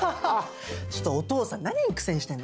ちょっとお父さん何に苦戦してんの？